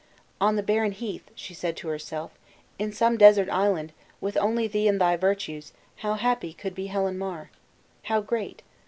"On the barren heath," said she to herself, "in some desert island, with only thee and thy virtues, how happy could be Helen Mar! how great!